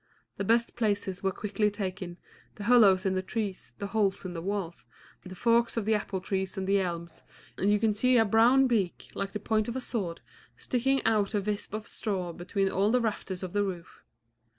The best places were quickly taken, the hollows in the trees, the holes in the walls, the forks of the apple trees and the elms, and you could see a brown beak, like the point of a sword, sticking out of a wisp of straw between all the rafters of the roof.